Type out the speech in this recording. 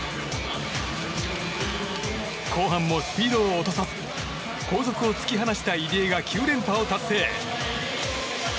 後半もスピードを落とさず後続を突き放した入江が９連覇を達成。